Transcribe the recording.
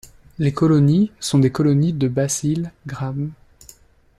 Les colonies sont des colonies de bacilles Gram-